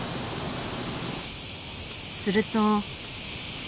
すると。